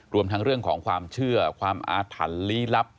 รวมทั้งเรื่องของความเชื่อความอาถรรพ์ลี้ลับ